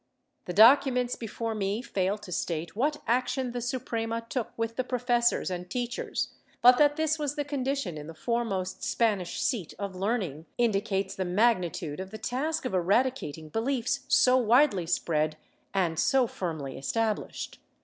^ The documents before me fail to state what action the Suprema took with the professors and teachers, but that this was the condition in the foremost Spanish seat of learning indicates the magnitude of the task of eradicating beliefs so widely spread and so firmly established.